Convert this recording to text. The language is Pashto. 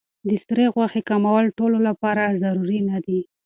د سرې غوښې کمول ټولو لپاره ضروري نه دي.